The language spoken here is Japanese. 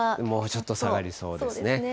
もうちょっと下がりそうですね。